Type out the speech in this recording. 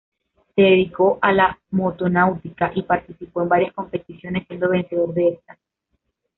Se dedicó a la motonáutica y participó en varias competiciones, siendo vencedor de estas.